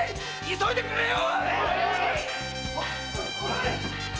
急いでくれよ！